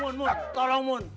mun mun tolong mun